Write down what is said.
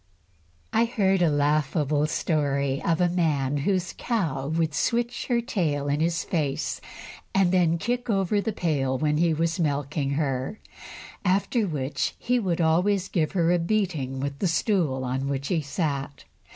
I heard a laughable story of a man whose cow would switch her tail in his face, and then kick over the pail when he was milking her, after which he would always give her a beating with the stool on which he sat.